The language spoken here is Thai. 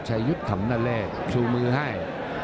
ชูมือให้